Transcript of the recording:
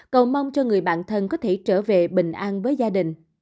cầu mong cho người bạn thân có thể trở về bình an với gia đình